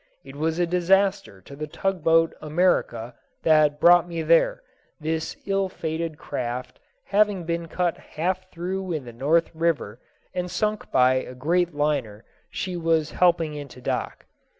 It was a disaster to the tug boat America that brought me there, this ill fated craft having been cut half through in the North River and sunk by a great liner she was helping into dock.